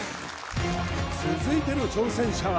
続いての挑戦者は